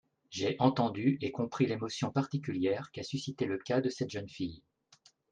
J’ai entendu et compris l’émotion particulière qu’a suscitée le cas de cette jeune fille.